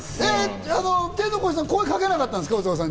天の声さん、声かけなかったんですか？